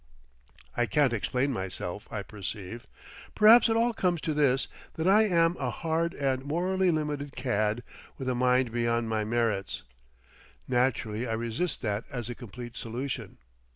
I can't explain myself, I perceive. Perhaps it all comes to this, that I am a hard and morally limited cad with a mind beyond my merits. Naturally I resist that as a complete solution.